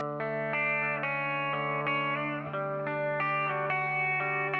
ค่อยสอนเราอะไรเราก็พัฒนาขึ้นมาครับ